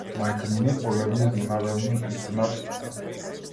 Мајка ми ме погледна изненадено и се насмевна.